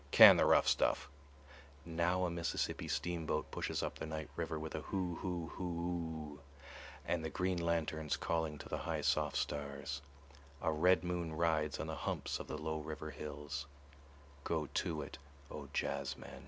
Can the rough stuff … now a Mississippi steamboat pushes up the night river with a hoo hoo hoo oo … and the green lanterns calling to the high soft stars … a red moon rides on the humps of the low river hills … go to it, O jazzmen.